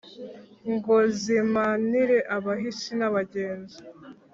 Ngo nzimanire abahisi n’abagenzi